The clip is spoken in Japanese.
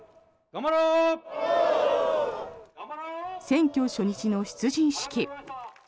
選挙初日の出陣式。